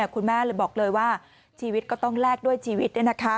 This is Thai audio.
คุณแม่เลยบอกเลยว่าชีวิตก็ต้องแลกด้วยชีวิต